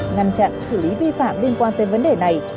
ngăn chặn xử lý vi phạm liên quan tới vấn đề này